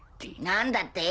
何だって！